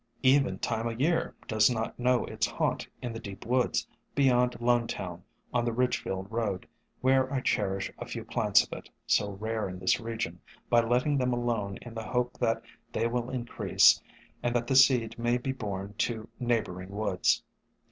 Even Time o' Year does not know its haunt in the deep woods beyond Lonetown on the Ridgefield road, where I cherish a few plants of it, so rare in this region, by letting them alone in the hope that they will increase and that the seed may be borne to neighboring woods.